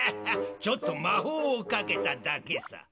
ちょっとまほうをかけただけさ。